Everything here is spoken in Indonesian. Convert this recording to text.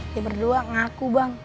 kita berdua ngaku bang